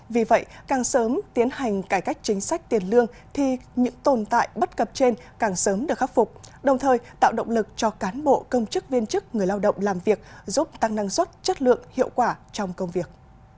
vì vậy càng sớm tiến hành cải cách chính sách tiền lương thì những tồn tại bất cập trên càng sớm được khắc phục đồng thời tạo động lực cho cán bộ công chức viên chức người lao động làm việc giúp tăng năng suất chất lượng hiệu quả trong công việc